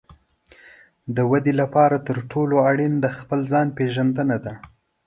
د ودې لپاره تر ټولو اړین د خپل ځان پېژندنه ده.